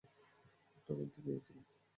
একটা বুদ্ধি পেয়েছি।